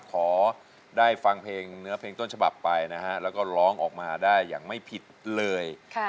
ถอได้ฟังความสุขทั้งจากเพลงต้นฉบับไปและล้องออกมาได้อย่างไม่ผิดเลย